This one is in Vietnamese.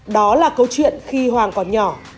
đó là câu chuyện khi hoàng còn nhỏ